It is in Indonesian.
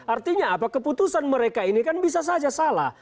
artinya apa keputusan mereka ini kan bisa saja salah